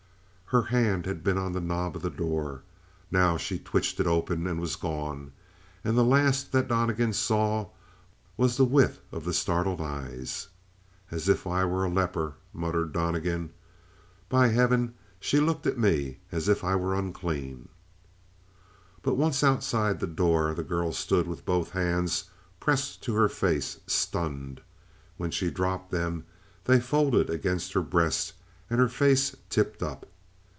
Her hand had been on the knob of the door; now she twitched it open and was gone; and the last that Donnegan saw was the width of the startled eyes. "As if I were a leper," muttered Donnegan. "By heaven, she looked at me as if I were unclean!" But once outside the door, the girl stood with both hands pressed to her face, stunned. When she dropped them, they folded against her breast, and her face tipped up.